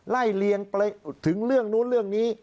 เลียงไปถึงเรื่องนู้นเรื่องนี้